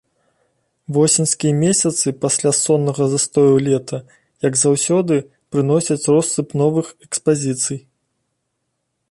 Восеньскія месяцы, пасля соннага застою лета, як заўсёды, прыносяць россып новых экспазіцый.